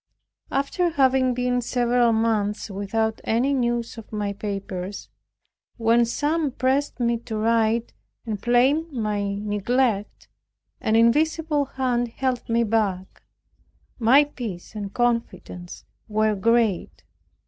After having been several months without any news of my papers, when some pressed me to write, and blamed my neglect, an invisible hand held me back; my peace and confidence were great.